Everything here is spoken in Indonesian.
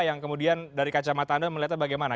yang kemudian dari kacamata anda melihatnya bagaimana